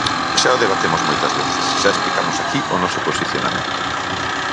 Xa o debatemos moitas veces, xa explicamos aquí o noso posicionamento.